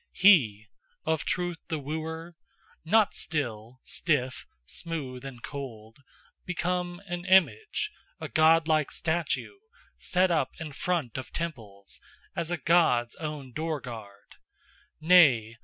HE of truth the wooer? Not still, stiff, smooth and cold, Become an image, A godlike statue, Set up in front of temples, As a God's own door guard: Nay!